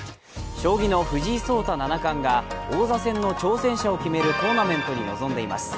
将棋の藤井聡太七冠が王座戦の挑戦者を決めるトーナメントに臨んでいます。